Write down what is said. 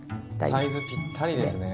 サイズぴったりですね。